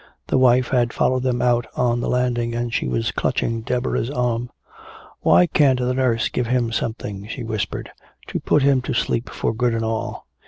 The wife had followed them out on the landing and she was clutching Deborah's arm. "Why can't the nurse give him something," she whispered, "to put him to sleep for good and all?